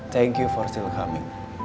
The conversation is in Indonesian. terima kasih udah datang